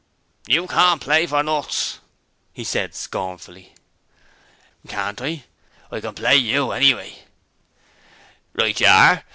'You can't play for nuts,' he said scornfully. 'Can't I? I can play you, anyway.' 'Right you are!